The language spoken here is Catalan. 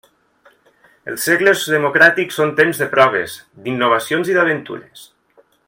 Els segles democràtics són temps de proves, d'innovacions i d'aventures.